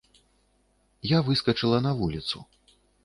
Я выскачыла на вуліцу.